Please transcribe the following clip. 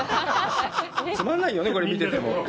つまんないよね、見てても。